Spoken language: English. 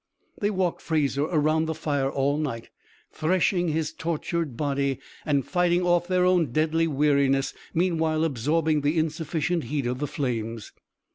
They walked Fraser around the fire all night, threshing his tortured body and fighting off their own deadly weariness, meanwhile absorbing the insufficient heat of the flames.